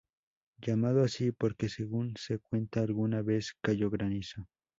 Llamado así porque según se cuenta alguna vez cayó granizo.